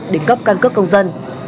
để cấp căn cứ công dân